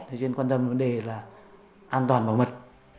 cho nên quan tâm đến vấn đề là an toàn bảo mật